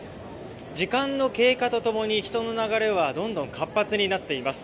時間の経過と共に人の流れはどんどん活発になっています。